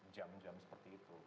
jam jam seperti itu